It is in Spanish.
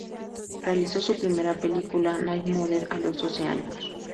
Realizó su primera película, "Night Mother" a los doce años.